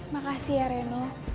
makasih ya reno